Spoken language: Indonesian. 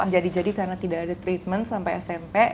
jadi jadi karena tidak ada treatment sampai smp